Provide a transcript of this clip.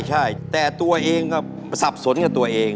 ใช่แต่ตัวเองก็สับสนกับตัวเอง